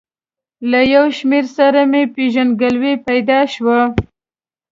له یو شمېر سره مې پېژندګلوي پیدا شوه.